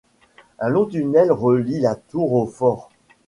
Un long tunnel relie la tour au fort.